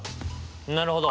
なるほど。